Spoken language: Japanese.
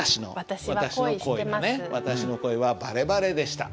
私の恋はバレバレでした。